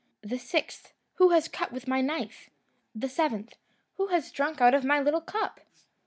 The sixth, "Who has cut with my knife?" The seventh, "Who has drunk out of my little cup?"